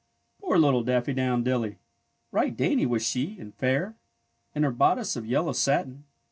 Poor little Daffy do wn dilly! Eight dainty was she, and fair. In her bodice of yellow satin.